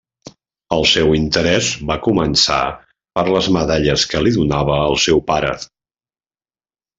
El seu interès va començar per les medalles que li donava el seu pare.